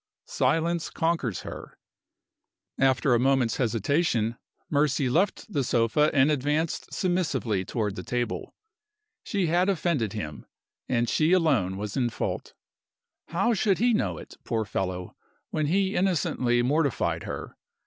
Silence conquers her. After a moment's hesitation, Mercy left the sofa and advanced submissively toward the table. She had offended him and she alone was in fault. How should he know it, poor fellow, when he innocently mortified her?